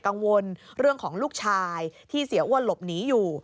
กังวลเรื่องของลูกชายที่เสียอ้วนหลบหนีอยู่